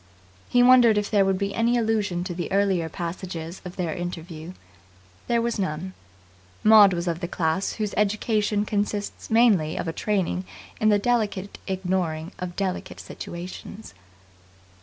He wondered if there would be any allusion to the earlier passages of their interview. There was none. Maud was of the class whose education consists mainly of a training in the delicate ignoring of delicate situations.